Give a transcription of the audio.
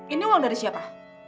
ini uang dari siapa